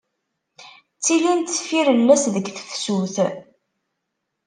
Ttilint tfirellas deg tefsut.